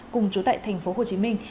cùng chú tại thành phố hồ chí minh